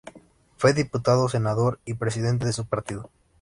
Fue diputado, senador y presidente de su partido.